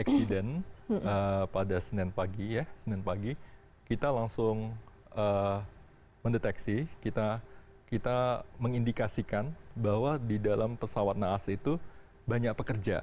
setelah ada kejadian pada senin pagi kita langsung mendeteksi kita mengindikasikan bahwa di dalam pesawat naas itu banyak pekerja